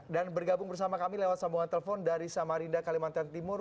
dan bergabung bersama kami lewat sambungan telepon dari samarinda kalimantan timur